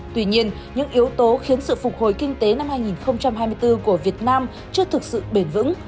tuy nhiên những yếu tố khiến sự phục hồi kinh tế năm hai nghìn hai mươi bốn của việt nam chưa thực sự bền vững